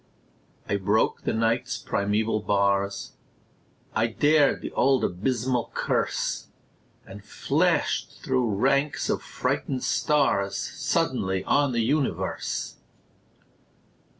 I broke the Night's primeval bars, I dared the old abysmal curse, And flashed through ranks of frightened stars Suddenly on the universe!